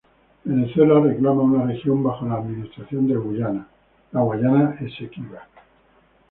Venezuela reclama una región bajo la administración de Guyana: La Guayana Esequiba.